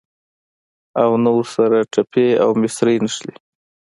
او نه ورسره ټپې او مصرۍ نښلي.